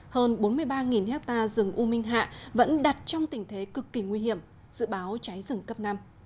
hơn bốn mươi ba ha rừng u minh hạ vẫn đặt trong tình thế cực kỳ nguy hiểm dự báo cháy rừng cấp năm